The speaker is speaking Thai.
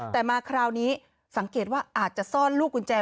แต่มาคราวนี้สังเกตว่าอาจจะซ่อนลูกกุญแจ